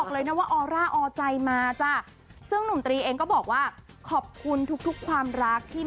คือย้อมรับเลยว่าโอ้โฮตกใจมากไม่คิดว่าจะได้ของขวัญเยอะขนาดนี้